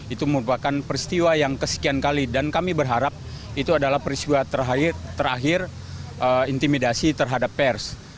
itu merupakan peristiwa yang kesekian kali dan kami berharap itu adalah peristiwa terakhir intimidasi terhadap pers